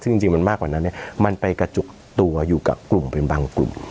ซึ่งจริงมันมากกว่านั้นมันไปกระจุกตัวอยู่กับกลุ่มเป็นบางกลุ่ม